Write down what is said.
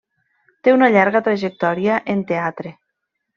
Té una llarga trajectòria en teatre.